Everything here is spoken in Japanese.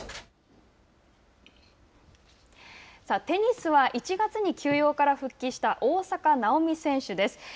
テニスは１月に休養から復帰した大坂なおみ選手です。